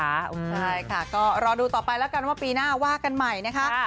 ใช่ค่ะก็รอดูต่อไปแล้วกันว่าปีหน้าว่ากันใหม่นะคะ